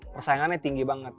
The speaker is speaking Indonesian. persaingannya tinggi banget